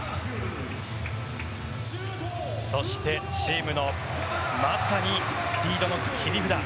そして、チームのまさにスピードの切り札。